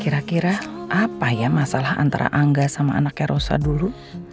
kira kira apa ya masalah antara angga sama anaknya rosa dulu